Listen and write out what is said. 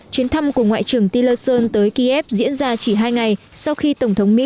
chuyến thăm của ngoại trưởng tillerson tới kyiv diễn ra chỉ hai ngày sau khi tổng thống mỹ